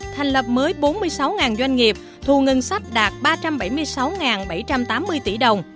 thành lập mới bốn mươi sáu doanh nghiệp thu ngân sách đạt ba trăm bảy mươi sáu bảy trăm tám mươi tỷ đồng